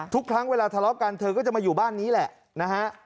ทุกครั้งเวลาทะเลาะกันเธอก็จะมาอยู่บ้านนี้แหละนะฮะ